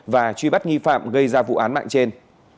và truy bắt nghi phạm gây ra vụ án mạng trên